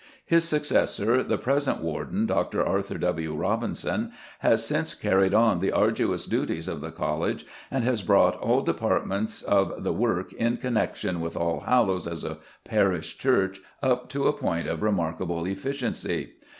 His successor, the present Warden, Dr. Arthur W. Robinson, has since carried on the arduous duties of the College and has brought all departments of the work in connection with Allhallows as a parish church up to a point of remarkable efficiency.